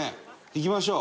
いきましょう。